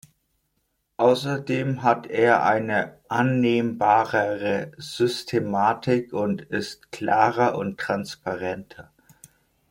Außerdem hat er eine annehmbarere Systematik und ist klarer und transparenter.